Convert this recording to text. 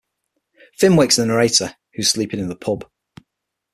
Finn wakes the narrator, who was sleeping in the pub.